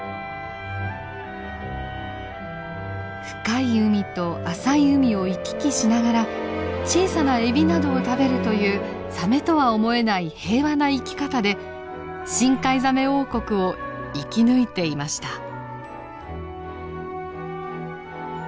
深い海と浅い海を行き来しながら小さなエビなどを食べるというサメとは思えない平和な生き方で深海ザメ王国を生き抜いていました。